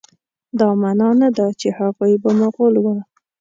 دا معنی نه ده چې هغوی به مغول وه.